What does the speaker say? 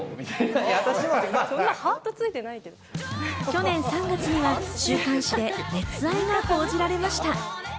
去年３月には週刊誌で熱愛が報じられました。